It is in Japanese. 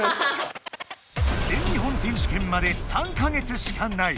全日本選手権まで３か月しかない！